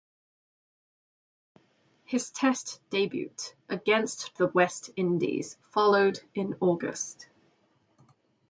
His Test debut, against the West Indies, followed in August.